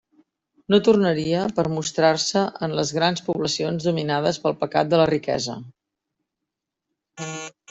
No tornaria per a mostrar-se en les grans poblacions dominades pel pecat de la riquesa.